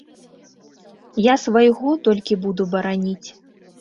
Я свайго толькі буду бараніць!